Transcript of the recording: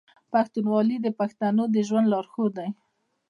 پښتونولي د پښتنو د ژوند لارښود دی.